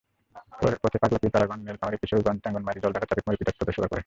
পথে পাগলাপীর, তারাগঞ্জ, নীলফামারীর কিশোরগঞ্জ, ট্যাঙ্গনমারী, জলঢাকা ট্রাফিক মোড়ে পৃথক পথসভা করে।